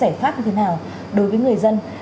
bệnh pháp như thế nào đối với người dân